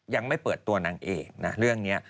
ยังไม่เปิดตัวนางเอกนะเรื่องนี้